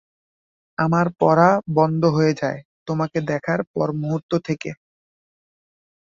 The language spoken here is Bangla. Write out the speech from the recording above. আমার পড়া বন্ধ হয়ে যায়, তোমাকে দেখার পরমুহূর্ত থেকে।